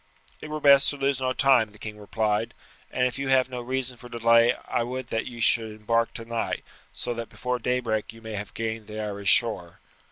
"It were best to lose no time," the king replied, "and if you have no reason for delay I would that you should embark tonight, so that before daybreak you may have gained the Irish shore.